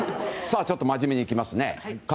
ちょっと真面目にいきますね。